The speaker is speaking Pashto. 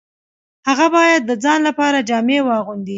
هغه باید د ځان لپاره جامې واغوندي